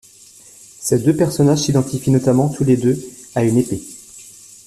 Ces deux personnages s'identifient notamment tous les deux à une épée.